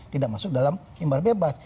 tidak masuk dalam imbar bebas